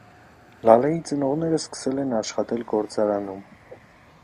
Լալեի ծնողները սկսել են աշխատել գործարանում։